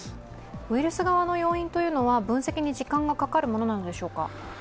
ウイルス側の要因というのは分析に時間がかかるものなんでしょうか？